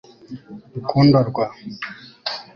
rukundo rwa